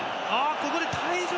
ここで退場。